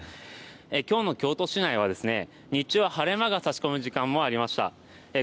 今日の京都市内は日中は晴れ間が差し込む時間帯もありました。